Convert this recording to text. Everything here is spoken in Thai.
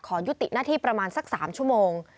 ยุติหน้าที่ประมาณสัก๓ชั่วโมง